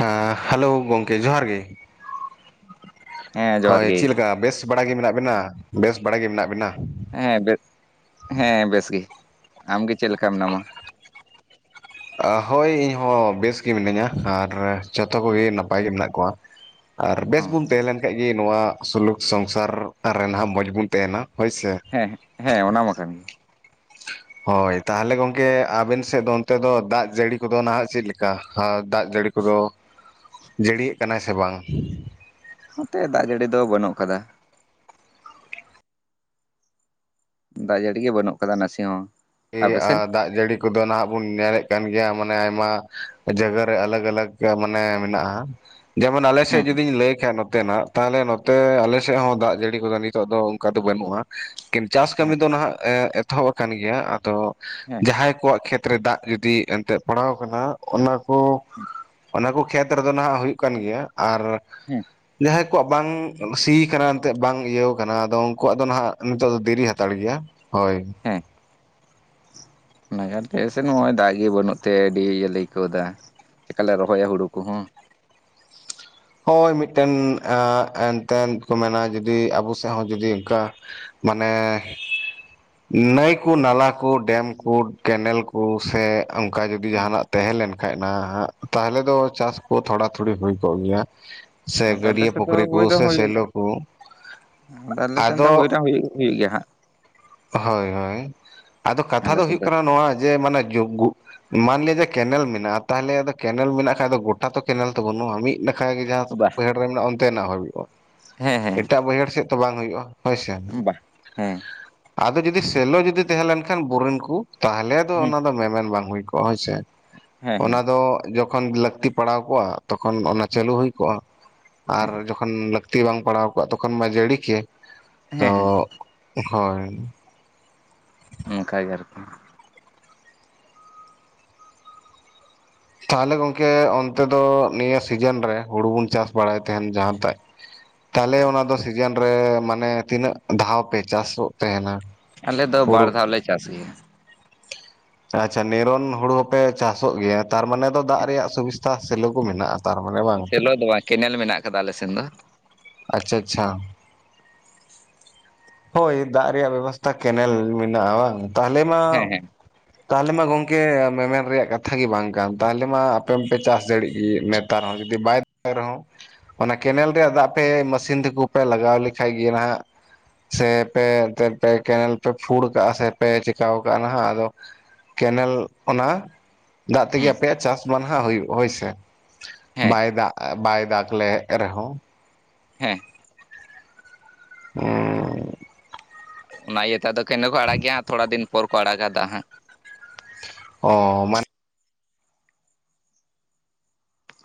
ᱦᱮᱸ ᱦᱟᱞᱳ ᱜᱚᱝᱠᱮ ᱡᱚᱸᱦᱟᱨ ᱜᱮ᱾ ᱦᱮᱸ ᱡᱚᱦᱟᱨ ᱦᱳᱭ ᱜᱮ ᱪᱤᱜ ᱞᱮᱠᱟ ᱵᱮᱥ ᱵᱟᱲᱟ ᱜᱮ ᱢᱮᱱᱟᱜ ᱵᱤᱱᱟ ᱵᱮᱥ ᱵᱟᱲᱟ ᱜᱤ ᱢᱮᱱᱟᱜ ᱵᱤᱱᱟ? ᱦᱮᱸ ᱵᱮᱥ ᱦᱮᱸ ᱵᱮᱥᱜᱤ ᱟᱢᱜᱮ ᱪᱮᱜ ᱞᱮᱠᱟ ᱢᱮᱱᱟᱢᱟ? ᱚ ᱦᱳᱭ ᱤᱧᱦᱚᱸ ᱵᱮᱥ ᱜᱤ ᱢᱤᱱᱟᱹᱧᱟ ᱟᱨ ᱡᱷᱚᱛᱚ ᱠᱚᱜᱤ ᱱᱟᱯᱟᱭ ᱜᱮ ᱢᱮᱱᱟᱜ ᱠᱚᱣᱟ᱾ ᱟᱨ ᱵᱮᱥ ᱦᱚᱸ ᱵᱩᱱ ᱛᱮᱦᱮᱸ ᱞᱮᱱ ᱠᱷᱟᱡ ᱜᱤ ᱱᱚᱣᱟ ᱥᱩᱞᱩᱠ ᱥᱚᱝᱥᱟᱨ ᱨᱮᱱᱦᱟᱸᱜ ᱢᱚᱸᱡᱽ ᱵᱩᱱ ᱛᱟᱦᱮᱱᱟ ᱦᱳᱭᱥᱮ᱾ ᱦᱮᱸ ᱦᱮᱸ ᱚᱱᱟ ᱢᱟ ᱠᱟᱱ ᱜᱤ᱾ ᱦᱳᱭ ᱛᱟᱦᱟᱞᱮ ᱜᱚᱝᱠᱮ ᱟᱵᱮᱱ ᱥᱮᱜ ᱫᱚ ᱚᱱᱛᱮ ᱫᱚ ᱫᱟᱜ ᱡᱟᱹᱲᱤ ᱠᱚᱫᱚ ᱱᱷᱟᱜ ᱪᱮᱫ ᱞᱮᱠᱟ? ᱫᱟᱜ ᱡᱟᱹᱲᱤ ᱠᱚᱫᱚ ᱡᱟᱹᱲᱤᱭᱮᱜ ᱠᱟᱱᱟᱭ ᱥᱮ ᱵᱟᱝ? ᱱᱚᱛᱮ ᱫᱟᱜ ᱡᱟᱹᱲᱤ ᱫᱚ ᱵᱟᱹᱱᱩᱜ ᱟᱠᱟᱫᱟ ᱾ ᱫᱟᱜ ᱡᱟᱹᱲᱤ ᱜᱮ ᱵᱟᱹᱱᱩᱜ ᱟᱠᱟᱫᱟ ᱱᱟᱥᱮ ᱦᱚᱸ ᱾ ᱮ ᱟ ᱫᱟᱜ ᱡᱟᱹᱲᱤ ᱠᱚᱫᱚ ᱱᱷᱟᱜ ᱵᱩᱱ ᱧᱮᱞᱮᱫ ᱠᱟᱱ ᱜᱮᱭᱟ ᱢᱟᱱᱮ ᱟᱭᱢᱟ ᱡᱟᱭᱜᱟ ᱨᱮ ᱟᱞᱟᱹᱜᱽ ᱟᱞᱟᱹᱜᱽ ᱠᱟ ᱢᱟᱱᱮ ᱢᱮᱱᱟᱜᱼᱟ ᱡᱮᱢᱚᱱ ᱦᱮᱸ ᱟᱞᱮᱥᱮᱜ ᱡᱩᱫᱤᱧ ᱞᱟᱹᱭ ᱠᱷᱟᱡ ᱱᱚᱛᱮ ᱱᱟᱜ ᱛᱟᱦᱟᱞᱮ ᱱᱚᱛᱮ ᱟᱞᱮ ᱥᱮᱜ ᱦᱚᱸ ᱫᱟᱜ ᱡᱟᱹᱲᱤ ᱠᱚᱫᱚ ᱱᱤᱛᱚᱜ ᱫᱚ ᱚᱱᱠᱟ ᱫᱚ ᱵᱟᱹᱱᱩᱜᱼᱟ ᱠᱤᱱ ᱪᱟᱥ ᱠᱟᱹᱢᱤ ᱦᱮᱸ ᱫᱚ ᱱᱷᱟᱜ ᱮᱛᱚᱦᱚᱵ ᱟᱠᱟᱱ ᱜᱮᱭᱟ ᱟᱫᱚ ᱦᱮᱸ ᱡᱟᱦᱟᱸᱭ ᱠᱚᱣᱟᱜ ᱠᱷᱮᱛ ᱠᱷᱮᱛ ᱨᱮ ᱫᱟᱜ ᱡᱩᱫᱤ ᱮᱱᱛᱮ ᱯᱟᱲᱟᱣ ᱟᱠᱟᱱᱟ ᱚᱱᱟ ᱠᱚ ᱚᱱᱟ ᱠᱚ ᱠᱷᱮᱛ ᱨᱮᱫᱚ ᱱᱷᱟᱜ ᱦᱩᱭᱩᱜ ᱠᱟᱱ ᱜᱮᱭᱟ ᱟᱨ ᱦᱮᱸ ᱡᱟᱦᱟᱸᱭ ᱠᱚᱣᱟᱜ ᱵᱟᱝ ᱥᱤ ᱠᱟᱱᱟ ᱮᱱᱛᱮᱫ ᱵᱟᱝ ᱤᱭᱟᱹ ᱟᱠᱟᱱᱟ ᱟᱫᱚ ᱩᱱᱠᱩᱣᱟᱜ ᱫᱚ ᱱᱷᱟᱜ ᱱᱤᱛᱚᱜ ᱫᱚ ᱫᱮᱨᱤ ᱦᱟᱛᱟᱲ ᱜᱮᱭᱟ, ᱦᱳᱭ᱾ [inaudible] ᱦᱮ ᱸᱥᱮ ᱱᱚᱜᱼᱚᱭ ᱫᱟᱜ ᱜᱮ ᱵᱟᱹᱱᱩᱜ ᱛᱮ ᱟᱹᱰᱤ ᱤᱭᱟᱹᱞᱮ ᱟᱹᱭᱠᱟᱹᱣ ᱫᱟ ᱪᱮᱠᱟᱞᱮ ᱨᱚᱦᱚᱭᱟ ᱦᱳᱲᱳ ᱠᱚᱦᱚᱸ᱾ ᱦᱳᱭ ᱢᱤᱫᱴᱮᱱ ᱟ-ᱮᱱᱛᱮᱱ ᱠᱚ ᱢᱮᱱᱟ ᱡᱩᱫᱤ ᱟᱵᱚ ᱥᱮᱫ ᱦᱚᱸ ᱡᱩᱫᱤ ᱚᱱᱠᱟ ᱢᱟᱱᱮᱻ ᱱᱟᱹᱭ ᱠᱚ ᱱᱟᱞᱟ ᱠᱚ ᱰᱮᱢ ᱠᱚ ᱠᱮᱱᱮᱞ ᱠᱚ ᱥᱮ ᱚᱱᱠᱟ ᱡᱩᱫᱤ ᱡᱟᱦᱟᱸᱱᱟᱜ ᱛᱮᱦᱮᱸ ᱞᱮᱱᱠᱷᱟᱡ ᱱᱟ ᱦᱟᱜ, ᱛᱟᱦᱚᱞᱮ ᱫᱚ ᱪᱟᱥ ᱠᱚ ᱛᱷᱚᱲᱟ, ᱛᱷᱩᱲᱤ ᱦᱩᱭ ᱠᱚᱜ ᱜᱮᱭᱟ᱾ ᱥᱮ ᱟᱫᱚ ᱟᱞᱮ ᱜᱟᱹᱰᱭᱟᱹ ᱥᱮᱫ ᱫᱚ ᱯᱩᱠᱷᱨᱤ ᱠᱚ, ᱦᱩᱭ ᱫᱚ ᱥᱮ ᱦᱩᱭᱩᱜᱼᱟ ᱥᱮᱞᱚ ᱠᱚ᱾ ᱟᱫᱚ ᱟᱞᱮ ᱥᱮᱱ ᱫᱚ, ᱦᱩᱭᱱᱟ ᱦᱩᱭᱩᱜ -ᱦᱩᱭᱩᱜ ᱜᱮᱭᱟ ᱦᱟᱸᱜ᱾ ᱦᱳᱭ -ᱦᱳᱭ, ᱟᱫᱚ ᱠᱟᱛᱷᱟ ᱟᱞᱮ ᱫᱚ ᱥᱮᱫ ᱦᱳᱭᱩᱜ ᱠᱟᱱᱟ, ᱱᱚᱣᱟ ᱡᱮ ᱢᱟᱱᱮ ᱡᱚᱜᱩ ᱢᱟᱱᱞᱤ ᱡᱮ ᱠᱮᱱᱮᱞ ᱢᱮᱱᱟᱜᱼᱟ, ᱛᱟᱦᱚᱞᱮ ᱟᱫᱚ ᱠᱮᱱᱮᱞ ᱢᱮᱱᱟᱜ ᱠᱷᱟᱡ ᱫᱚ, ᱜᱚᱴᱟ ᱛᱚ ᱠᱮᱱᱮᱞ ᱛᱚ ᱵᱟᱹᱱᱩᱜᱼᱟ᱾ ᱢᱤᱫ ᱰ ᱵᱟᱚᱱᱠ ᱜᱮ ᱡᱟᱦᱟᱸ ᱵᱟ ᱵᱟᱹᱭᱦᱟᱹᱲ ᱨᱮ ᱢᱮᱱᱟᱜᱼᱟ, ᱚᱱᱛᱮᱱᱟᱜ ᱦᱩᱭᱩᱜᱼᱟ, ᱦᱮᱸ ᱦᱮᱸ ᱮᱴᱟᱜ ᱵᱟᱹᱭᱦᱟᱹᱲ ᱥᱮᱫ ᱛᱚ ᱵᱟᱝ ᱦᱳᱭᱩᱜᱼᱟ ᱦᱳᱭᱥᱮ᱾ ᱵᱟᱦ ᱦᱮᱸ᱾ ᱟᱫᱚ ᱡᱩᱫᱤ ᱥᱮᱞᱚ ᱡᱩᱫᱤ ᱛᱮᱦᱮᱸ ᱞᱮᱱ ᱠᱷᱟᱱ, ᱵᱩᱨᱤᱱ ᱠᱩ ᱛᱟᱦᱚᱞᱮ ᱫᱚ, ᱦᱮᱸ ᱚᱱᱟ ᱫᱚ ᱢᱮᱢᱮᱱ ᱵᱟᱝ ᱦᱩᱭ ᱠᱚᱜᱼᱟ ᱦᱳᱭᱥᱮ᱾ ᱦᱮᱸ ᱚᱱᱟ ᱦᱮᱸ ᱫᱚ, ᱡᱚᱠᱷᱚᱱ ᱞᱟᱹᱠᱛᱤ ᱯᱟᱲᱟᱣ ᱠᱚᱜᱼᱟ, ᱛᱚᱠᱷᱚᱱ ᱚᱱᱟ ᱦᱮᱸ ᱪᱟᱹᱞᱩ ᱦᱩᱭ ᱠᱚᱜ-ᱟ, ᱟᱨ ᱦᱮᱸ ᱡᱚᱠᱷᱚᱱ ᱞᱟᱹᱠᱛᱤ ᱵᱟᱝ ᱯᱟᱲᱟᱣ ᱠᱚᱜᱼᱟ, ᱛᱚᱠᱷᱚᱱ ᱢᱟ ᱡᱟᱹᱲᱤ ᱠᱮᱭᱟᱭ᱾ ᱦᱮᱸ ᱛᱚ ᱦᱮᱸ ᱦᱚᱭ᱾ ᱚᱱᱠᱟ ᱜᱮ ᱟᱨᱠᱤ᱾ ᱛᱟᱦᱚᱞᱮ ᱜᱚᱢᱠᱮ, ᱚᱱᱛᱮ ᱫᱚ ᱱᱤᱭᱟᱹ ᱥᱤᱡᱮᱱ ᱨᱮ, ᱦᱳᱲᱩ ᱵᱚᱱ ᱪᱟᱥ ᱵᱟᱲᱟᱭ ᱛᱟᱦᱮᱱ, ᱡᱟᱦᱟᱸᱴᱟᱜ ᱛᱟᱦᱚᱞᱮ ᱚᱱᱟ ᱫᱚ ᱥᱤᱡᱮᱱ ᱨᱮ, ᱢᱟᱱᱮ ᱛᱤᱱᱟᱹᱜ ᱫᱷᱟᱣ ᱯᱮ, ᱪᱟᱥᱚᱜ ᱛᱮᱦᱮᱱᱟ? ᱟᱞᱮ ᱫᱚ, ᱵᱟᱨ ᱫᱷᱟᱣ ᱞᱮ ᱪᱟᱥ ᱜᱮᱭᱟ᱾ ᱟᱪᱪᱷᱟ ᱱᱮᱨᱚᱱ ᱦᱳᱲᱳ ᱦᱚᱸᱯᱮ ᱪᱟᱥᱚᱜ ᱜᱮᱭᱟ᱾ ᱛᱟᱨᱢᱟᱱᱮ ᱫᱚ ᱫᱟᱜ ᱨᱮᱭᱟᱜ ᱥᱩᱵᱤᱥᱛᱟ, ᱥᱮᱞᱳ ᱠᱚ ᱢᱮᱱᱟᱜᱼᱟ, ᱛᱟᱨᱢᱟᱱᱮ ᱵᱟᱝ᱾ ᱥᱮᱞᱚ ᱫᱚ ᱵᱟᱝ ᱠᱮᱱᱮᱞ ᱢᱮᱱᱟᱜ ᱠᱟᱫᱟ ᱟᱞᱮᱥᱮᱱ ᱫᱚ᱾ ᱟᱪᱪᱷᱟ-ᱟᱪᱪᱷᱟ᱾ ᱦᱳᱭ ᱫᱟᱜ ᱨᱮᱭᱟᱜ ᱵᱮᱵᱚᱥᱛᱷᱟ, ᱠᱮᱱᱮᱞ ᱢᱮᱱᱟᱜᱼᱟ, ᱵᱟᱝ ᱛᱟᱦᱚᱞᱮ ᱢᱟ ᱦᱮᱸ ᱦᱮᱸ ᱛᱟᱦᱚᱞᱮ ᱢᱟ ᱜᱚᱝᱠᱮ, ᱢᱮᱢᱮᱱ ᱨᱮᱭᱟᱜ ᱠᱟᱛᱷᱟ ᱜᱮ, ᱵᱟᱝ ᱠᱟᱱ ᱛᱟᱦᱚᱞᱮ ᱢᱟ ᱟᱯᱮ ᱢᱟᱯᱮ ᱪᱟᱥ ᱫᱟᱲᱮᱜ ᱜᱮ ᱱᱮᱛ ᱛᱟᱣᱨᱮ ᱦᱚᱸ ᱡᱚᱫᱤ ᱵᱟᱭ ᱫᱟᱜ ᱨᱮᱦᱚᱸᱼᱼ ᱚᱱᱟ ᱠᱮᱱᱮᱞ ᱨᱮᱭᱟᱜ ᱫᱟᱜ ᱯᱮ, ᱢᱟᱹᱥᱤᱱ ᱛᱮᱠᱚ ᱯᱮ ᱞᱟᱜᱟᱣ ᱞᱮᱠᱷᱟᱡ ᱜᱮ, ᱱᱟᱦᱜ ᱥᱮ ᱯᱮ ᱮᱱᱛᱮᱫ ᱯᱮ ᱠᱮᱱᱮᱞ ᱯᱮ ᱯᱷᱩᱲ ᱠᱟᱜᱼᱟ, ᱥᱮ ᱯᱮ ᱪᱤᱠᱟᱹᱣ ᱠᱟᱜᱼᱟ, ᱱᱟᱦᱜ ᱟᱫᱚ ᱠᱮᱱᱮᱞ ᱚᱱᱟ ᱫᱟᱜ ᱛᱮᱜᱮ ᱦᱩᱸ ᱟᱯᱮᱭᱟᱜ ᱪᱟᱥ ᱢᱟ ᱱᱟᱦᱟᱜ, ᱦᱳᱭᱩᱜ ᱦᱳᱭᱥᱮ, ᱦᱮᱸ ᱵᱟᱭ ᱫᱟᱜᱼᱟ ᱵᱟᱭ ᱫᱟᱜᱽ ᱞᱮ ᱨᱮᱦᱚᱸ᱾ ᱦᱮᱸ᱾ [inaudible] ᱚᱱᱟ ᱤᱭᱟᱹ ᱛᱚ ᱫᱚ ᱠᱮᱱᱟᱹ ᱠᱚ ᱟᱲᱟᱜ ᱜᱮᱭᱟ ᱛᱷᱚᱲᱟ ᱫᱤᱱ ᱯᱚᱨ ᱠᱚ ᱟᱲᱟᱜᱟ ᱫᱟᱜ ᱦᱟᱸᱜ᱾ ᱚ ᱢᱟᱱᱮ᱾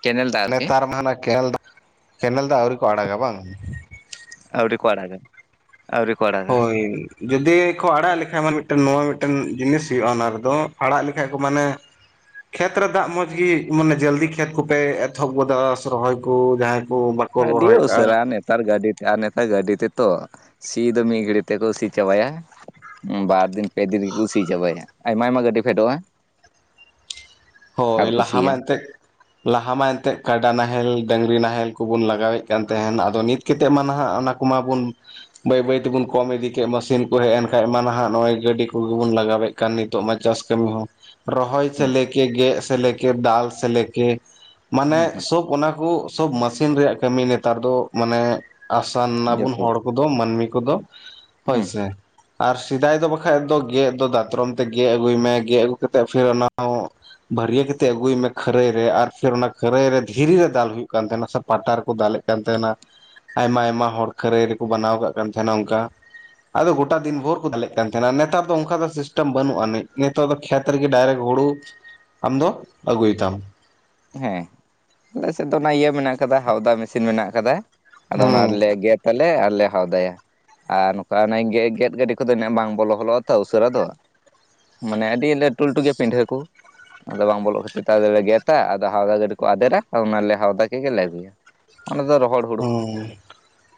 ᱠᱮᱱᱮᱞ ᱫᱟᱜ ᱟᱨᱠᱤ ᱱᱮᱛᱟᱨ ᱢᱟ ᱦᱟᱱᱟ ᱠᱮᱞ ᱠᱮᱱᱮᱞ ᱫᱚ ᱟᱹᱣᱨᱤ ᱠᱚ ᱟᱲᱟᱜᱟ ᱵᱟᱝ? ᱟᱹᱣᱲᱤ ᱠᱚ ᱟᱲᱟᱜᱟ ᱾ ᱟᱹᱣᱲᱤ ᱠᱚ ᱠᱚᱲᱟ᱾ ᱦᱳᱭ᱾ ᱡᱩᱫᱤ ᱠᱚ ᱟᱲᱟᱜ ᱞᱮᱠᱟᱡ ᱢᱟᱱᱮ ᱢᱤᱫᱴᱮᱱ ᱱᱚᱣᱟ ᱢᱤᱫᱴᱮᱱ ᱡᱤᱱᱤᱥ ᱦᱩᱭᱩᱜᱼᱟ ᱚᱱᱟ ᱨᱮᱫᱚ ᱟᱲᱟᱜ ᱞᱮᱠᱷᱟᱡ ᱠᱚ ᱢᱟᱱᱮ᱾ ᱠᱷᱮᱛᱨᱮ ᱫᱟᱜ ᱢᱚᱸᱡᱽᱜᱤ ᱢᱟᱱᱮ ᱡᱚᱞᱫᱤ ᱠᱷᱮᱛ ᱠᱚᱯᱮ ᱮᱛᱚᱦᱚᱵ ᱜᱚᱫᱟ ᱥᱚᱨᱚᱦᱚᱭ ᱠᱚ ᱡᱟᱦᱟᱸᱭ ᱠᱚ ᱵᱟ᱾ ᱟᱹᱰᱤ ᱩᱥᱟᱨᱟ ᱱᱮᱛᱟᱨ ᱜᱟᱹᱰᱤ᱾ ᱱᱮᱛᱟ ᱜᱟᱹᱰᱤ ᱛᱮ ᱛᱚ ᱥᱤ ᱫᱚ ᱢᱤ ᱜᱟᱹᱲᱤ ᱛᱮ ᱠᱚ ᱥᱤ ᱪᱟᱵᱟᱭᱟ᱾ ᱵᱟᱨ ᱫᱤᱱ ᱯᱮ ᱫᱤᱱ ᱠᱩ ᱥᱤ ᱡᱟᱵᱟᱭᱟ ᱟᱭᱢᱟ-ᱟᱭᱢᱟ ᱜᱟᱹᱰᱤ ᱯᱷᱮᱰᱚᱜᱼᱟ᱾ ᱟᱨ ᱦᱳᱭ ᱠᱚ ᱞᱟᱦᱟ ᱢᱟ ᱥᱤᱭᱟ ᱮᱱᱛᱮᱫ᱾ ᱞᱟᱦᱟ ᱢᱟ ᱮᱱᱛᱮᱫ ᱠᱟᱰᱟ ᱱᱟᱦᱮᱞ, ᱰᱟᱹᱝᱨᱤ ᱱᱟᱦᱮᱞ ᱠᱚᱵᱚᱱ ᱞᱟᱜᱟᱣᱮᱫ ᱠᱟᱱ ᱛᱟᱦᱮᱱ ᱟᱫᱚ ᱱᱤᱛ᱾ ᱠᱟᱛᱮᱫ ᱢᱟ ᱱᱟᱦᱟᱜ ᱚᱱᱟ ᱠᱚᱢᱟᱵᱚᱱ᱾ ᱵᱟᱹᱭ ᱵᱟᱹᱭ ᱛᱮᱵᱚᱱ ᱠᱚᱢ ᱤᱫᱤ ᱠᱮᱫ ᱢᱮᱥᱤᱱ ᱠᱚ ᱦᱮᱡ ᱮᱱ ᱠᱷᱟᱡ ᱢᱟ ᱱᱟᱦᱟᱜ ᱱᱚᱜᱼᱚᱭ ᱜᱟᱹᱰᱤ ᱠᱚᱜᱮ ᱵᱚᱱ ᱞᱟᱜᱟᱣᱮᱫ ᱾ ᱠᱟᱱ ᱱᱤᱛᱚᱜ ᱢᱟ ᱪᱟᱥ ᱠᱟᱹᱢᱤ ᱦᱚᱸ᱾ ᱨᱚᱦᱚᱭ ᱥᱮ ᱦᱩᱸ ᱞᱮᱠᱮ ᱜᱮᱫ ᱥᱮ ᱞᱮᱠᱮ ᱫᱟᱞ ᱥᱮ ᱞᱮᱠᱮ ᱢᱟᱱᱮ ᱦᱩᱸ ᱦᱩᱸ ᱥᱚᱵ ᱚᱱᱟ ᱠᱚ᱾ ᱥᱚᱵ ᱢᱮᱥᱤᱱ ᱨᱮᱭᱟᱜ ᱠᱟᱹᱢᱤ ᱱᱮᱛᱟᱨ ᱫᱚ ᱢᱟᱱᱮ ᱟᱥᱟᱱ ᱱᱟᱵᱩᱱ ᱡᱚᱛᱚ ᱦᱚᱲ᱾ ᱠᱚᱫᱚ ᱢᱟᱹᱱᱢᱤ ᱠᱚᱫᱚ ᱦᱳᱭ ᱦᱩᱸ ᱥᱮ᱾ ᱟᱨ ᱥᱮᱫᱟᱭ ᱫᱚ ᱵᱟᱠᱷᱟᱡ ᱫᱚ ᱜᱮᱫ ᱫᱚ ᱫᱟᱛᱨᱚᱢ ᱛᱮ ᱜᱮᱫ ᱟᱹᱜᱩᱭᱢᱮ ᱜᱮᱫ ᱟᱹᱜᱩ ᱠᱟᱛᱮᱜ ᱯᱷᱤᱨ ᱚᱱᱟ ᱾ ᱵᱷᱟᱹᱨᱭᱟᱹ ᱠᱟᱛᱮᱫ ᱟᱹᱜᱩᱭ ᱢᱮ ᱠᱷᱟᱹᱨᱟᱹᱭ ᱨᱮ ᱟᱨ ᱯᱷᱤᱨ ᱚᱱᱟ ᱠᱷᱟᱹᱨᱟᱹᱭ ᱨᱮ ᱫᱷᱤᱨᱤ ᱨᱮ ᱫᱟᱞ ᱦᱩᱭᱩᱜ ᱠᱟᱱ ᱛᱟᱦᱮᱸᱱᱟ ᱥᱮ ᱯᱟᱴᱟ ᱨᱮ ᱠᱚ ᱫᱟᱞᱮᱫ᱾ ᱠᱟᱱ ᱛᱟᱦᱮᱱᱟ ᱟᱭᱢᱟ ᱟᱭᱢᱟ ᱦᱚᱲ ᱠᱷᱟᱹᱨᱟᱹᱭ ᱨᱮᱠᱚ ᱵᱮᱱᱟᱣ ᱠᱟᱜ ᱠᱟᱱ ᱛᱟᱦᱮᱱᱟ ᱚᱱᱠᱟ᱾ ᱟᱫᱚ ᱜᱚᱴᱟ ᱫᱤᱱ ᱵᱷᱳᱨ ᱠᱚ ᱫᱟᱞᱮᱫ ᱠᱟᱱ ᱛᱟᱦᱮᱸᱱᱟ ᱱᱮᱛᱟᱨ ᱫᱚ ᱚᱱᱠᱟ ᱫᱚ ᱥᱤᱥᱴᱮᱢ ᱵᱟᱹᱱᱩᱜᱼᱟᱱᱤᱡ ᱱᱮᱛᱟᱨ ᱫᱚ᱾ ᱠᱷᱮᱛ ᱨᱮ ᱜᱮ ᱰᱟᱭᱨᱮᱠᱴ ᱦᱩᱲᱩ᱾ ᱟᱢ ᱫᱚ ᱟᱹᱜᱩᱭ ᱛᱟᱢ᱾ ᱦᱮᱸ ᱟᱞᱮ ᱥᱮᱫ ᱫᱚ ᱚᱱᱟ ᱤᱭᱟᱹ ᱢᱮᱱᱟᱜ ᱟᱠᱟᱫᱟ ᱦᱟᱣᱫᱟ ᱢᱮᱥᱤᱱ ᱢᱮᱱᱟᱜ ᱟᱠᱟᱫᱟ᱾ ᱟᱫᱚ ᱦᱩᱸ ᱚᱱᱟ ᱨᱮᱞᱮ ᱜᱮᱫ ᱟᱞᱮ ᱟᱨᱞᱮ ᱦᱟᱣᱫᱟᱭᱟ᱾ ᱟᱨ ᱱᱚᱝᱠᱟ ᱚᱱᱮ ᱜᱮ ᱜᱮᱫ ᱜᱟᱹᱰᱤ ᱠᱚᱫᱚ ᱩᱱᱟᱹᱜ ᱵᱟᱝ ᱵᱚᱞᱚ ᱵᱚᱞᱚᱜᱼᱟ ᱛᱚ ᱩᱥᱟᱹᱨᱟ ᱫᱚ᱾ ᱢᱟᱱᱮ ᱟᱹᱰᱤ ᱞᱟᱹᱴᱩ ᱞᱟᱹᱴᱩ ᱜᱮᱭᱟ ᱯᱤᱰᱦᱟᱹ ᱠᱚ ᱟᱫᱚ ᱵᱟᱝ ᱵᱚᱞᱚᱜ ᱠᱷᱟᱹᱛᱤᱨ ᱛᱮ ᱟᱫᱚ ᱞᱮ ᱜᱮᱫ᱾ ᱟᱫᱚ ᱦᱟᱣᱫᱟ ᱜᱟᱹᱰᱤ ᱠᱚ ᱟᱫᱮᱨᱟ ᱚᱱᱟᱞᱮ ᱦᱟᱣᱫᱟ ᱠᱮᱜ ᱜᱮᱞᱮ ᱟᱹᱜᱩᱭᱟ ᱚᱱᱟ ᱫᱚ ᱨᱚᱦᱚᱲ᱾ ᱦᱩᱲᱩ ᱦᱩᱸ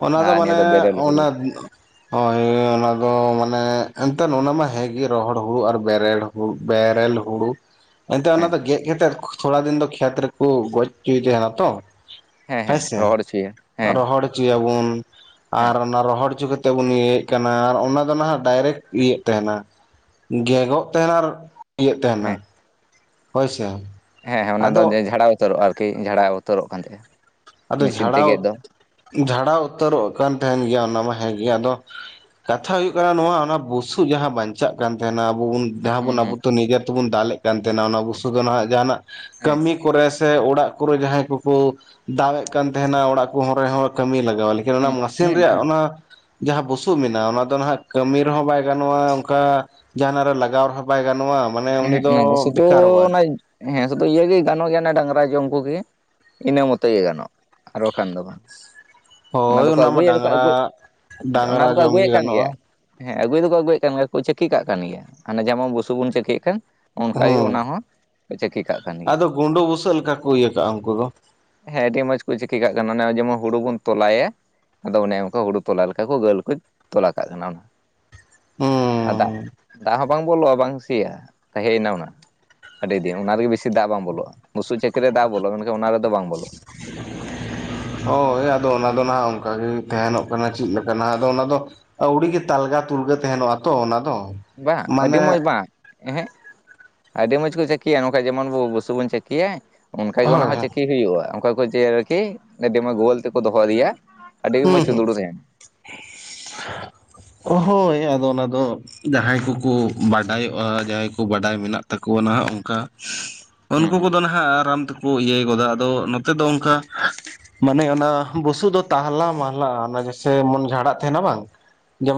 ᱚᱱᱟ ᱫᱚ ᱟᱨ ᱱᱤᱭᱟᱹ ᱢᱟᱱᱮ ᱵᱮᱨᱮᱞ ᱦᱩᱲᱩ ᱚᱱᱟ᱾ ᱦᱚᱭ ᱚᱱᱟᱫᱚ ᱢᱟᱱᱮ ᱮᱱᱛᱮ ᱚᱱᱟ ᱢᱟ ᱦᱮᱸᱜᱮ ᱨᱚᱦᱚᱲ ᱦᱩᱲᱩ ᱟᱨ ᱵᱮᱨᱮᱲ᱾ ᱵᱮᱨᱮᱞ ᱦᱩᱲᱩ᱾ ᱮᱱᱛᱮᱜ ᱚᱱᱟ ᱦᱮᱸ ᱫᱚ ᱜᱮᱫ ᱠᱟᱛᱮᱜ ᱛᱷᱚᱲᱟ ᱫᱤᱱ ᱫᱚ ᱠᱷᱮᱛ ᱨᱮᱠᱚ ᱜᱚᱡ ᱦᱚᱪᱚᱭᱮᱫ ᱛᱟᱦᱮᱱᱟ ᱛᱚ᱾ ᱦᱮᱸ ᱦᱮᱸ ᱦᱮᱸᱥᱮ ᱨᱚᱦᱚᱲ ᱦᱚᱪᱚᱭᱟ ᱾ ᱨᱚᱦᱚᱲ ᱦᱚᱪᱚᱭᱟᱵᱩᱱ ᱟᱨ ᱚᱱᱟ ᱨᱚᱦᱚᱲ ᱦᱚᱪᱩ ᱠᱟᱛᱮᱜ᱾ ᱛᱮᱵᱚᱱ ᱤᱭᱟᱹᱭᱮᱫ ᱠᱟᱱᱟ ᱟᱨ ᱚᱱᱟ ᱫᱚ ᱱᱟᱦᱟᱜ ᱰᱟᱭᱨᱮᱠᱴ ᱤᱭᱟᱹᱜ ᱛᱟᱦᱮᱱᱟ᱾ ᱜᱮᱜᱚᱜ ᱛᱟᱦᱮᱱᱟ ᱟᱨ ᱤᱭᱟᱹᱜ ᱛᱟᱦᱮᱱᱟ ᱦᱮᱸ ᱦᱳᱭᱥᱮ᱾ ᱦᱮᱸ ᱦᱮᱸ ᱚᱱᱟ ᱫᱚ ᱟᱫᱚ ᱡᱷᱟᱲᱟᱣ ᱩᱛᱟᱹᱨᱚᱜᱼᱟ ᱟᱨᱠᱤ ᱡᱷᱟᱲᱟᱣ ᱩᱛᱟᱹᱨᱚᱜ ᱠᱟᱱ ᱛᱟᱦᱮᱸᱜ-ᱟ᱾ ᱟᱫᱚ ᱡᱷᱟᱲᱟᱣ ᱡᱷᱟᱲᱟᱣ ᱩᱛᱟᱹᱨᱚᱜ ᱠᱟᱱ ᱛᱟᱦᱮᱱ ᱜᱮᱭᱟ ᱚᱱᱟ ᱢᱟ ᱦᱮᱸᱜᱮ ᱟᱫᱚ᱾ ᱠᱟᱛᱷᱟ ᱦᱳᱭᱳᱜ ᱠᱟᱱᱟ ᱱᱚᱣᱟ ᱚᱱᱟ ᱵᱩᱥᱩᱵ ᱡᱟᱦᱟᱸ ᱵᱟᱧᱪᱟᱜ ᱠᱟᱱ ᱛᱟᱦᱮᱱᱟ ᱟᱵᱚ ᱵᱩᱱ᱾ ᱡᱟᱦᱟᱸ ᱦᱩᱸ ᱵᱚᱱ ᱟᱵᱚ ᱦᱩᱸ ᱱᱤᱡᱮ ᱛᱮᱵᱚᱱ ᱫᱟᱞᱮᱫ ᱠᱟᱱ ᱛᱟᱦᱮᱱᱟ ᱚᱱᱟ ᱵᱚᱥᱩ ᱫᱚ ᱱᱟᱦᱟᱜ ᱡᱟᱦᱟᱱᱟᱜ ᱦᱮᱸ ᱠᱟᱹᱢᱤ ᱠᱚᱨᱮ᱾ ᱥᱮ ᱚᱲᱟᱜ ᱠᱚᱨᱮ ᱡᱟᱦᱟᱸᱭ ᱠᱚᱠᱚ ᱫᱟᱣ ᱮᱫ ᱠᱟᱱ ᱛᱟᱦᱮᱱᱟ ᱚᱲᱟᱜ ᱠᱚᱦᱚᱸ ᱨᱮᱦᱚᱸ ᱠᱟᱹᱢᱤ ᱞᱟᱜᱟᱣ ᱞᱟᱹᱜᱤᱫ᱾ ᱚᱱᱟ ᱦᱩᱸ ᱦᱩᱸ ᱢᱮᱥᱤᱱ ᱦᱮᱸ ᱨᱮᱭᱟᱜ ᱚᱱᱟ᱾ ᱡᱟᱦᱟᱸ ᱵᱩᱥᱩᱵ ᱢᱮᱱᱟᱜ-ᱟ ᱚᱱᱟ ᱫᱚ ᱱᱟᱦᱟᱜ ᱠᱟᱹᱢᱤ ᱨᱮᱦᱚᱸ ᱵᱟᱭ ᱜᱟᱱᱚᱜ-ᱟ ᱚᱱᱠᱟ ᱡᱟᱸᱦᱟᱱᱟᱜ ᱨᱮ ᱞᱟᱜᱟᱣ ᱨᱮᱦᱚᱸ ᱵᱟᱭ ᱜᱟᱱᱚᱜ-ᱟ᱾ ᱮᱦᱮᱸᱜ ᱚᱱᱟ ᱫᱚ, ᱥᱩᱫᱷᱩ ᱚᱱᱟ ᱦᱮᱸ ᱥᱩᱫᱷᱩ ᱤᱭᱟᱹᱜᱮ ᱜᱟᱱᱚᱜ ᱜᱮᱭᱟ ᱰᱟᱝᱨᱟ ᱡᱚᱢ ᱠᱚᱜᱮ᱾ ᱤᱱᱟᱹ ᱢᱚᱛᱚ ᱜᱮ ᱜᱟᱱᱚᱜ ᱟᱨ ᱵᱟᱠᱷᱟᱱ ᱫᱚ ᱵᱟᱝ᱾ ᱚᱱᱟ ᱦᱳᱭ ᱫᱚᱠᱚ ᱢᱟ ᱟᱹᱜᱩᱭᱮᱫ ᱞᱮᱠᱟ ᱰᱟᱝᱨᱟ ᱟᱹᱜᱩ, ᱚᱱᱟ ᱰᱟᱝᱨᱟ ᱫᱚᱠᱚ ᱡᱚᱢ ᱟᱹᱜᱩᱭᱮᱫ ᱜᱮ ᱠᱟᱱ ᱜᱟᱱᱚᱜᱼᱟ ᱜᱮᱭᱟ᱾ ᱦᱮᱸ ᱟᱹᱜᱩ ᱫᱚᱠᱚ ᱟᱹᱜᱩᱭᱮᱜ ᱠᱟᱱ ᱜᱮᱭᱟ, ᱟᱨ ᱠᱚ ᱪᱟᱹᱠᱤ ᱠᱟᱜ ᱠᱟᱱ ᱜᱮᱭᱟ ᱦᱟᱱᱮ ᱡᱮᱢᱚᱱ ᱵᱩᱥᱩᱵ ᱵᱚᱱ ᱪᱟᱹᱠᱤᱭᱮᱫ ᱠᱟᱱ᱾ ᱚᱱᱠᱟ ᱜᱮ ᱦᱩᱸ ᱚᱱᱟ ᱦᱚᱸ ᱠᱚ ᱪᱟᱹᱠᱤ ᱠᱟᱜ ᱠᱟᱱ ᱜᱮᱭᱟ᱾ ᱟᱫᱚ ᱜᱩᱸᱰᱳ ᱵᱩᱥᱟᱹᱜ ᱞᱮᱠᱟ ᱠᱚ ᱤᱭᱟᱹ ᱠᱟᱜᱼᱟ ᱩᱱᱠᱩ ᱫᱚ ᱦᱮᱸ ᱟᱹᱰᱤ ᱢᱚᱸᱡᱽ ᱠᱚ ᱪᱟᱹᱠᱤ ᱠᱟᱜ ᱠᱟᱱᱟ ᱚᱱᱮ ᱡᱮᱢᱚᱱ ᱦᱩᱲᱩ ᱵᱚᱱ ᱛᱚᱞᱟᱭᱟ᱾ ᱟᱫᱚ ᱚᱱᱮ ᱚᱱᱠᱟ ᱦᱩᱲᱩ ᱛᱚᱞᱟ ᱞᱮᱠᱟ ᱠᱚ ᱜᱟᱹᱞ ᱠᱚ ᱛᱚᱞᱟ ᱠᱟᱜ ᱠᱟᱱᱟ ᱚᱱᱟ᱾ ᱟᱨ ᱫᱟᱜ, ᱦᱩᱸ ᱫᱟᱜ ᱦᱚᱸ ᱵᱟᱝ ᱵᱚᱞᱚᱜᱼᱟ ᱵᱟᱝ ᱥᱮᱭᱟᱜ-ᱟ ᱛᱟᱦᱮᱸᱭᱮᱱᱟ ᱚᱱᱟ᱾ ᱟᱹᱰᱤ ᱫᱤᱱ, ᱚᱱᱟ ᱨᱮᱜᱮ ᱵᱤᱥᱤ ᱫᱟᱜ ᱵᱟᱝ ᱵᱚᱞᱚᱜᱼᱟ ᱵᱩᱥᱩ ᱪᱟᱹᱠᱤ ᱨᱮ ᱫᱟᱜ ᱵᱚᱞᱚᱜ-ᱟ ᱢᱮᱱᱠᱷᱟᱱ ᱚᱱᱟ ᱨᱮᱫᱚ ᱵᱟᱝ ᱵᱚᱞᱚᱜ-ᱟ᱾ ᱦᱳᱭ ᱟᱫᱚ ᱚᱱᱟ ᱫᱚ ᱱᱟᱦᱟᱜ ᱚᱝᱠᱟᱜᱮ ᱛᱟᱸᱦᱮᱱᱚᱜ ᱠᱟᱱᱟ ᱪᱮᱫ ᱞᱮᱠᱟ ᱟᱫᱚ ᱚᱱᱟ ᱫᱚ ᱟᱹᱣᱲᱤ ᱜᱮ ᱛᱟᱞᱜᱟ ᱛᱩᱞᱜᱟᱹ ᱛᱟᱸᱦᱮᱱᱚᱜ-ᱟ ᱛᱚ ᱚᱱᱟ ᱫᱚ᱾ ᱵᱟᱝ ᱟᱹᱰᱤ ᱢᱟᱱᱮ ᱢᱚᱸᱡᱽ ᱵᱟᱝ᱾ ᱮᱦᱮᱸᱜ ᱟᱹᱰᱤ ᱢᱚᱡᱽ ᱠᱚ ᱪᱟᱹᱠᱤᱭᱟ ᱱᱚᱝᱠᱟ ᱡᱮᱢᱚᱱ ᱵᱚ ᱵᱩᱥᱩᱵ ᱵᱚᱱ ᱪᱟᱹᱠᱤᱭᱟ᱾ ᱚᱱᱠᱟ ᱜᱮ ᱚᱱᱟ ᱦᱳᱭ ᱦᱚᱸ ᱦᱳᱭ ᱪᱟᱹᱠᱤ ᱦᱩᱭᱩᱜ-ᱟ ᱚᱱᱠᱟ ᱠᱚ ᱡᱮ ᱟᱨᱠᱤ ᱟᱹᱰᱤ ᱢᱚᱸᱡᱽ ᱜᱳᱞ ᱛᱮᱠᱚ ᱫᱚᱦᱚ ᱤᱫᱤᱭᱟ᱾ ᱟᱹᱰᱤ ᱜᱮ ᱢᱚᱸᱡᱽ ᱦᱩᱸ ᱪᱩᱸᱫᱩᱲ ᱦᱩᱸ᱾ [unintelligible] ᱦᱳᱭ, ᱟᱫᱚ ᱚᱱᱟ ᱫᱚ ᱡᱟᱦᱟᱸᱭ ᱠᱚᱠᱚ ᱵᱟᱰᱟᱭᱚᱜ-ᱟ, ᱡᱟᱦᱟᱸᱭ ᱠᱚ ᱵᱟᱰᱟᱭ ᱢᱮᱱᱟᱜ ᱛᱟᱠᱚᱣᱟ ᱱᱟᱜ ᱚᱱᱠᱟ᱾ ᱦᱩᱸ ᱩᱱᱠᱩ ᱠᱚᱫᱚ ᱱᱟᱦᱟᱜ ᱟᱨᱟᱢ ᱛᱚ ᱠᱩ ᱤᱭᱟᱹᱭ ᱜᱚᱫᱟ ᱟᱫᱚ ᱱᱚᱛᱮ ᱫᱚ ᱚᱱᱠᱟ ᱢᱟᱱᱮ ᱚᱱᱟ ᱵᱩᱥᱩᱵ ᱫᱚ ᱛᱟᱦᱞᱟ ᱢᱟᱦᱞᱟ ᱚᱱᱟ ᱡᱮᱥᱮ ᱢᱩᱱᱜᱟ ᱟᱲᱟᱜ ᱛᱟᱸᱦᱮᱱᱟ ᱵᱟᱝ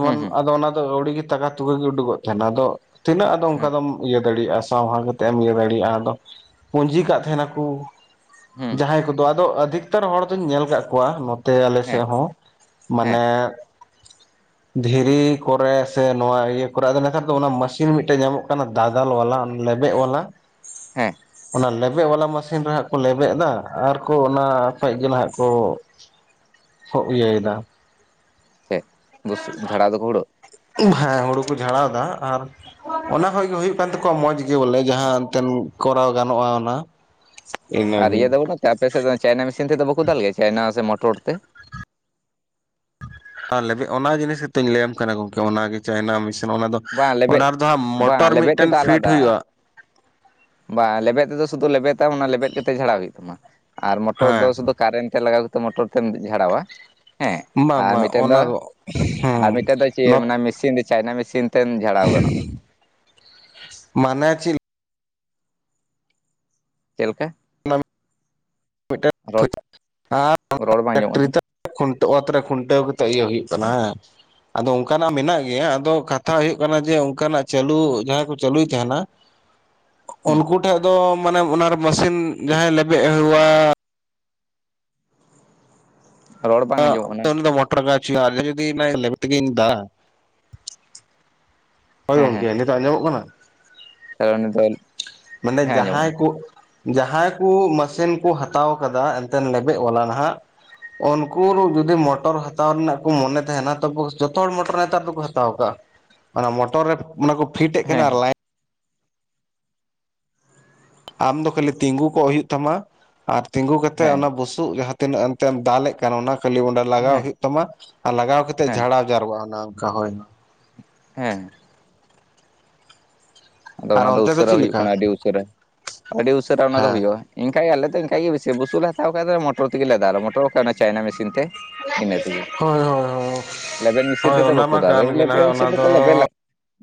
ᱦᱩᱸ ᱦᱩᱸ ᱦᱩᱸ ᱟᱫᱚ ᱚᱱᱟ ᱫᱚ ᱟᱹᱣᱲᱤ ᱜᱮ ᱛᱟᱜᱟ ᱛᱩᱠᱟᱹ ᱜᱮ ᱩᱰᱩᱠᱚᱜ ᱛᱟᱸᱦᱮᱱᱟ᱾ ᱟᱫᱚ ᱛᱤᱱᱟᱹᱜ ᱟᱫᱚ ᱚᱱᱠᱟ ᱦᱮᱸ ᱫᱚᱢ ᱤᱭᱟᱹ ᱫᱟᱲᱮᱭᱟᱜ-ᱟ ᱥᱟᱶᱦᱟ ᱠᱟ ᱛᱮᱢ ᱤᱭᱟᱹ ᱫᱟᱲᱤᱭᱟᱜ-ᱟ ᱟᱫᱚ ᱯᱩᱸᱡᱤ ᱠᱟᱜ ᱛᱟᱸᱦᱮᱱᱟᱠᱚ ᱦᱩᱸ ᱡᱟᱦᱟᱸᱭ ᱠᱚᱫᱚ᱾ ᱟᱫᱚ ᱟᱫᱷᱮᱠ ᱛᱟᱨ ᱦᱚᱲ ᱫᱩᱧ ᱧᱮᱞ ᱠᱟᱫ ᱠᱚᱣᱟ ᱱᱚᱛᱮ ᱟᱞᱮ ᱥᱮᱫ ᱦᱮᱸ ᱦᱚᱸ ᱦᱮᱸ ᱢᱟᱱᱮ [inaudible] ᱫᱷᱤᱨᱤ ᱠᱚᱨᱮ ᱥᱮ ᱱᱚᱣᱟ ᱤᱭᱟᱹ ᱠᱚᱨᱮ᱾ ᱟᱫᱚ ᱱᱮᱛᱟᱨ ᱫᱚ ᱚᱱᱟ ᱢᱟᱥᱤᱱ ᱢᱤᱫᱴᱮᱡ ᱧᱟᱢᱚᱜ ᱠᱟᱱᱟ᱾ ᱫᱟᱫᱟᱞ ᱵᱟᱞᱟ, ᱞᱮᱵᱮᱜ ᱵᱟᱞᱟ᱾ ᱦᱮᱸ᱾ ᱚᱱᱟ ᱞᱮᱵᱮᱜ ᱵᱟᱞᱟ ᱢᱟᱥᱤᱱ ᱨᱮ ᱦᱟᱸᱜ ᱠᱚ ᱞᱮᱵᱮᱜ ᱫᱟ ᱟᱨᱠᱚ ᱚᱱᱟ ᱠᱷᱚᱡ ᱜᱮ ᱱᱟᱦᱟᱜ ᱠᱚ ᱥᱚᱜ ᱤᱭᱟᱹᱭᱫᱟ ᱥᱮᱫ ᱵᱩᱥᱩᱫ ᱡᱷᱟᱲᱟᱣ ᱫᱩᱦᱩᱲᱩᱜ ᱦᱮᱸ ᱦᱩᱲᱩ ᱠᱚ ᱡᱷᱟᱲᱟᱣᱫᱟ ᱟᱨ ᱚᱱᱟ ᱠᱷᱚᱡ ᱜᱮ ᱦᱩᱭᱩᱜ ᱠᱟᱱ ᱛᱟᱠᱚᱣᱟ ᱢᱚᱡᱽ ᱜᱮ ᱵᱚᱞᱮ ᱡᱟᱦᱟᱸ ᱮᱱᱛᱮᱱ ᱠᱚᱨᱟᱣ ᱜᱟᱱᱚᱜ-ᱟ ᱚᱱᱟ᱾ ᱟᱨ ᱤᱱᱟᱹᱜᱮ ᱤᱭᱟᱹ ᱫᱚ ᱵᱟᱹᱱᱩᱜ ᱛᱮ ᱟᱯᱮ ᱥᱮᱫ ᱫᱚ ᱪᱟᱭᱱᱟ ᱢᱮᱥᱤᱱ ᱛᱮᱫᱚ ᱵᱟᱠᱚ ᱫᱟᱞ ᱜᱮᱭᱟ ᱪᱟᱭᱱᱟ ᱥᱮ ᱢᱚᱴᱚᱨ ᱛᱮ? ᱟᱨ ᱞᱮᱵᱮᱜ ᱚᱱᱟ ᱡᱤᱱᱤᱥ ᱜᱮᱛᱩᱧ ᱞᱟᱹᱭᱟᱢ ᱠᱟᱱᱟ ᱜᱚᱝᱠᱮ ᱚᱱᱟᱜᱮ ᱪᱟᱭᱱᱟ ᱢᱤᱥᱤᱱ ᱚᱱᱟ ᱫᱚ᱾ ᱵᱟᱝ ᱚᱱᱟ ᱞᱮᱵᱮᱫ ᱨᱮᱫᱚ ᱦᱟᱸᱜ ᱢᱚᱴᱚᱨ ᱢᱤᱫᱴᱮᱱ ᱯᱷᱤᱴ ᱦᱩᱭᱩᱜ-ᱟ᱾ ᱵᱟ ᱞᱮᱵᱮᱫ ᱛᱮᱫᱚ ᱥᱩᱫᱩ ᱞᱮᱵᱮᱫᱟᱢ ᱚᱱᱟ ᱞᱮᱵᱮᱫ ᱠᱟᱛᱮ ᱡᱷᱟᱲᱟᱣ ᱦᱩᱭᱩᱜ ᱛᱟᱢᱟ ᱟᱨ ᱢᱚᱴᱚᱨ ᱫᱚ ᱦᱮᱸ ᱥᱩᱫᱩ ᱠᱟᱨᱮᱱ ᱛᱮ ᱞᱟᱜᱟᱣ ᱠᱟᱛᱮᱫ ᱢᱚᱴᱚᱨ ᱛᱮᱢ ᱡᱷᱟᱲᱟᱣᱟ᱾ ᱦᱮᱸ ᱵᱟᱝ ᱟᱨ ᱵᱟᱝ ᱢᱤᱫᱴᱮᱱ ᱫᱚ ᱚᱱᱟ ᱟᱨ ᱢᱤᱫᱴᱮᱡ ᱫᱚ ᱪᱮ ᱦᱩᱸ ᱢᱤᱥᱤᱱ ᱫᱚ ᱪᱟᱭᱱᱟ ᱢᱤᱥᱤᱱ [inaudible] ᱢᱟᱱᱮ ᱪᱤᱞ ᱪᱮᱫ ᱞᱮᱠᱟ? ᱨᱚᱲ ᱨᱚᱲ ᱵᱟᱝ ᱟᱸᱡᱚᱢᱚᱜ ᱠᱟᱱᱟ [unintelligible] ᱠᱷᱩᱱᱴᱟᱹ ᱚᱛ ᱨᱮ ᱠᱷᱩᱱᱴᱟᱹᱣ ᱠᱟᱛᱮᱜ ᱤᱭᱟᱹ ᱦᱩᱭᱩᱜ ᱛᱟᱢᱟ, ᱦᱟᱸ᱾ ᱟᱫᱚ ᱚᱱᱠᱟᱱᱟᱜ ᱢᱮᱱᱟᱜ ᱜᱮᱭᱟ ᱟᱫᱚ ᱠᱟᱛᱷᱟ ᱦᱳᱭᱳᱜ ᱠᱟᱱᱟ ᱡᱮ ᱚᱱᱠᱟᱱᱟᱜ ᱪᱟᱹᱞᱩ ᱡᱟᱦᱟᱸᱭ ᱠᱚ ᱪᱟᱹᱞᱩᱭ ᱛᱟᱦᱮᱱᱟ ᱯᱷᱟᱸᱠᱟ ᱜᱮᱭᱟ ᱾ ᱳᱱᱠᱩ ᱴᱷᱮᱜ ᱫᱚ ᱢᱟᱱᱮ ᱚᱱᱟᱨᱮ ᱢᱟᱥᱤᱱ ᱡᱟᱦᱟᱸᱭ ᱞᱮᱵᱮᱜ ᱦᱮᱭᱟ ᱦᱩᱸ ᱨᱚᱲ ᱵᱟᱝ ᱟᱜ, ᱟᱸᱡᱚᱢᱚᱜ ᱠᱟᱱᱟ ᱩᱱᱤ ᱫᱚ ᱢᱚᱴᱚᱨ ᱜᱟᱪᱷᱤ ᱟᱨ ᱡᱚᱫᱤ ᱞᱮᱵᱮᱫ ᱛᱮᱜᱤᱧ ᱫᱟ ᱦᱳᱭ ᱜᱚᱢᱠᱮ ᱱᱤᱛᱳᱜ ᱟᱸᱡᱚᱢᱚᱜ ᱠᱟᱱᱟ? ᱛᱟᱜᱽᱲᱟ ᱱᱤᱛᱳᱱ ᱢᱟᱱᱮ ᱡᱟᱦᱟᱸᱭ ᱠᱩᱫ ᱡᱟᱦᱟᱸᱭ ᱠᱩ ᱢᱟᱥᱮᱱ ᱠᱩ ᱦᱟᱛᱟᱣ ᱠᱟᱫᱟ ᱮᱱᱛᱮᱱ ᱞᱮᱵᱮᱜ. ᱵᱟᱞᱟ ᱱᱟᱦᱟᱜ ᱩᱱᱠᱩ ᱡᱩᱫᱤ ᱢᱚᱴᱚᱨ ᱦᱟᱛᱟᱣ ᱨᱮᱱᱟᱜ ᱠᱚ ᱢᱚᱱᱮ ᱛᱟᱦᱮᱱᱟ ᱛᱚᱵᱚᱥ ᱡᱚᱛᱚ ᱦᱚᱲ ᱢᱚᱴᱚᱨ ᱱᱮᱛᱟᱨ ᱫᱚᱠᱚ ᱦᱟᱛᱟᱣ ᱟᱠᱟᱜᱼᱟ ᱾ ᱚᱱᱟ ᱢᱚᱴᱚᱨ ᱨᱮ ᱚᱱᱟ ᱠᱚ ᱯᱷᱤᱴ ᱮᱜ ᱠᱟᱱᱟ ᱟᱨ ᱞᱟᱭ ᱟᱢᱫᱚ ᱠᱷᱟᱹᱞᱤ ᱛᱤᱸᱜᱩ ᱠᱚᱜ ᱦᱳᱭᱳᱜ ᱛᱟᱢᱟ ᱟᱨ ᱛᱤᱸᱜᱩ ᱠᱟᱛᱮᱜ ᱦᱮᱸ ᱚᱱᱟ ᱵᱩᱥᱩᱵ ᱜᱮ ᱦᱟᱛ ᱛᱤᱱᱟᱹᱜ ᱮᱱᱛᱮᱢ ᱫᱟᱞᱮᱜ ᱠᱟᱱ ᱚᱱᱟ ᱠᱷᱟᱹᱞᱤ ᱚᱸᱰᱮ ᱞᱟᱜᱟᱣ ᱦᱮᱸ ᱦᱳᱭᱳᱜ ᱛᱟᱢᱟ ᱟᱨ ᱞᱟᱜᱟᱣ ᱠᱟᱛᱮ ᱦᱮᱸ ᱡᱷᱟᱲᱟᱣ ᱡᱟᱨᱚᱣᱟ ᱚᱱᱮ ᱚᱱᱠᱟ, ᱦᱳᱭ ᱦᱮᱸᱦ ᱾ ᱟᱫᱚ ᱟᱨ ᱚᱱᱟ ᱫᱚ ᱚᱱᱛᱮ ᱩᱥᱟᱹᱨᱟ ᱪᱮᱫ ᱦᱳᱭᱳᱜ ᱞᱮᱠᱟ ᱠᱟᱱᱟ ᱟᱹᱰᱤ ᱩᱥᱟᱹᱨᱟ ᱟᱹᱰᱤ ᱩᱥᱟᱹᱨᱟ ᱚᱱᱟ ᱫᱚ ᱦᱮᱸ ᱦᱳᱭᱳᱜ-ᱟ ᱾ ᱤᱝᱠᱷᱟᱡ ᱜᱮ ᱟᱞᱮ ᱫᱚ ᱤᱝᱠᱷᱟᱡ ᱜᱮ ᱵᱤᱥᱤ ᱵᱩᱥᱩᱵ ᱞᱮ ᱦᱟᱛᱟᱣ ᱠᱷᱟᱡ ᱫᱚ ᱢᱚᱴᱚᱨ ᱛᱮᱜᱮ ᱞᱮ ᱫᱟᱞᱟ ᱢᱚᱴᱚᱨ ᱵᱟᱠᱷᱟᱡ ᱚᱱᱟ ᱪᱟᱭᱱᱟ ᱢᱮᱥᱤᱱ ᱛᱮ ᱾ ᱤᱱᱟᱹ ᱛᱮᱜᱤ ᱦᱳᱭ ᱦᱳᱭ ᱦᱳᱭ ᱞᱮᱵᱮᱫ ᱢᱮᱥᱤᱱ ᱦᱳᱭ ᱛᱮᱫᱚ ᱚᱱᱟ ᱵᱟᱠᱚ ᱢᱟ ᱫᱟᱞ ᱠᱟᱱ [inaudible] ᱜᱮ ᱞᱮᱵᱮᱫ ᱱᱟᱦᱟᱜ ᱚᱱᱟ ᱢᱤᱥᱤᱱ ᱫᱚᱠᱚ ᱫᱚ ᱞᱮᱵᱮᱫ ᱞᱟ